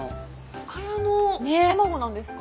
深谷の卵なんですか？